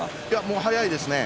速いですね。